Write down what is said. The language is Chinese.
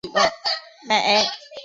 每村各设组一个社区。